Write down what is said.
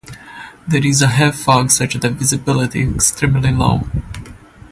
There is heavy fog such that visibility is extremely low.